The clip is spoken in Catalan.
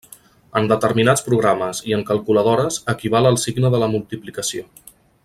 En determinats programes i en calculadores equival al signe de la multiplicació.